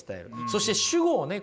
そして主語をね